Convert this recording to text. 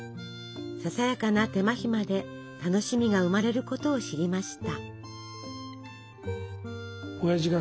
ささやかな手間暇で楽しみが生まれることを知りました。